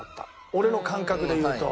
俺の感覚で言うと。